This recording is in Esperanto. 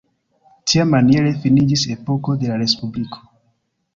Tiamaniere finiĝis epoko de la respubliko.